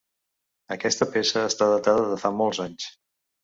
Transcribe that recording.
Aquesta peça està datada de fa molts anys.